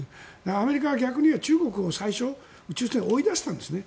アメリカは逆に言えば中国を追い出したんですね。